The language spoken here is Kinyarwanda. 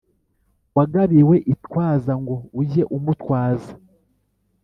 wagabiwe itwaza ngo ujye umutwaza